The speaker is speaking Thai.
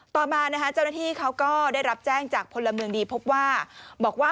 ต่อมาเจ้าหน้าที่ได้รับแจ้งจากพลเมืองดีพบว่า